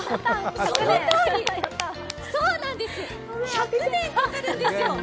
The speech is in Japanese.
そのとおり、そうなんです、１００年かかるんですよ。